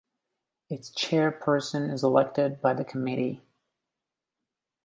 Its chairperson is elected by the committee.